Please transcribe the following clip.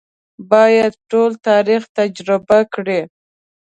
باید ټول تاریخ تجربه کړي.